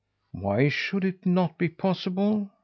"'Why should it not be possible?'